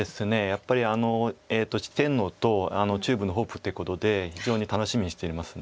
やっぱり四天王と中部のホープっていうことで非常に楽しみにしています。